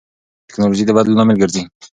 ټیکنالوژي د بدلون لامل ګرځي.